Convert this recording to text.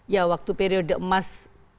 ya waktu periode emas